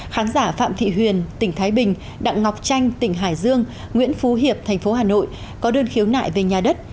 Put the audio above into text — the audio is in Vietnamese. khán giả phạm thị huyền tp thái bình đặng ngọc tranh tp hải dương nguyễn phú hiệp tp hà nội có đơn khiếu nại về nhà đất